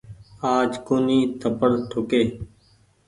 آج ڪونيٚ ٿپڙ ٺوڪي۔